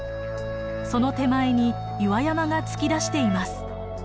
その手前に岩山が突き出しています。